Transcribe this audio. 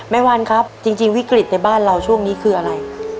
วันครับจริงวิกฤตในบ้านเราช่วงนี้คืออะไร